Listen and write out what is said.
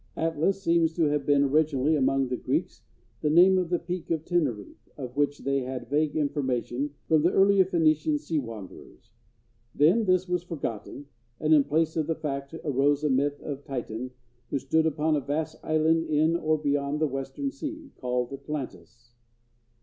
Atlas seems to have been originally, among the Greeks, the name of the Peak of Tenerife, of which they had vague information from the earlier Phenician sea wanderers. Then this was forgotten, and in place of the fact arose a myth of a Titan who stood upon a vast island in or beyond the "Western Sea," called Atlantis.